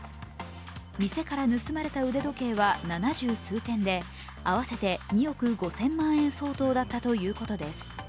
店から盗まれた腕時計は七十数点で合わせて２億５０００万円相当だったということです。